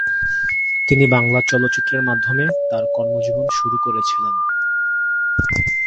তিনি বাংলা চলচ্চিত্রের মাধ্যমে তার কর্মজীবন শুরু করেছিলেন।